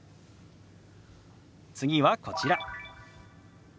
次はこちら。